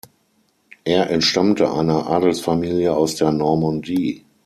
Er entstammte einer Adelsfamilie aus der Normandie.